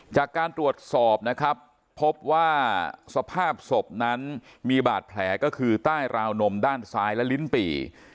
จากการตรวจสอบนะครับพบว่าสภาพศพนั้นมีบาดแผลก็คือใต้ราวนมด้านซ้ายและลิ้นปี่